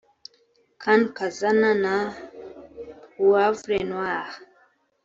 Khana Khazana na Poivre Noir